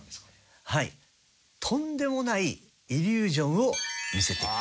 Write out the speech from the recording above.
とんでもないイリュージョンを見せてくれる。